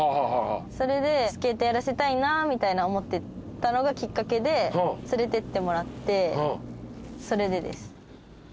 それでスケートやらせたいなみたいな思ってたのがきっかけで連れてってもらってそれでです。